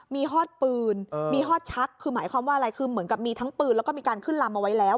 มีฮอดปืนมีฮอดชักคือหมายความว่าอะไรคือเหมือนกับมีทั้งปืนแล้วก็มีการขึ้นลำเอาไว้แล้ว